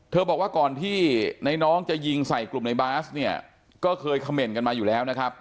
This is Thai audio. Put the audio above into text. บอกว่าก่อนที่ในน้องจะยิงใส่กลุ่มในบาสเนี่ยก็เคยเขม่นกันมาอยู่แล้วนะครับ